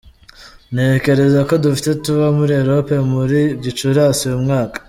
Ntekereza ko dufite Tour muri Europe muri Gicurasi uyu mwaka.